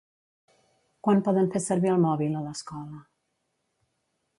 Quan poden fer servir el mòbil a l'escola?